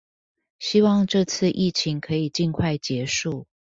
希望這次疫情可以盡快結束